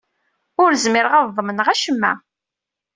Ur zmireɣ ad ḍemneɣ acemma.